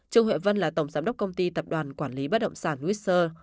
trương huệ vân là tổng giám đốc công ty tập đoàn quản lý bất động sản witser